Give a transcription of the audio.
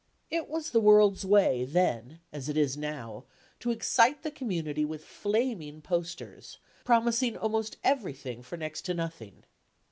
It was the world's way then, as it is now, to excite the community with flaming posters, promising almost everything for next to nothing.